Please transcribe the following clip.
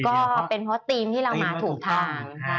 ก็เป็นเพราะธีมที่เรามาถูกทาง